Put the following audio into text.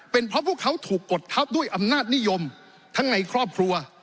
เป็นเพราะพวกเขาถูกกดทับด้วยอำนาจนิยมทั้งในครอบครัว